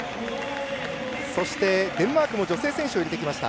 そして、デンマークも女性選手を入れてきました。